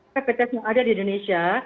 tepat tepat yang ada di indonesia